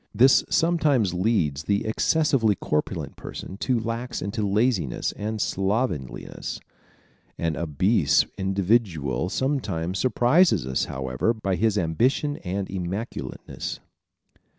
This sometimes leads the excessively corpulent person to relax into laziness and slovenliness. An obese individual sometimes surprises us, however, by his ambition and immaculateness.